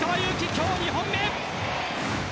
今日２本目。